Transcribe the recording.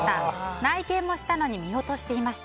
内見もしたのに見落としていました。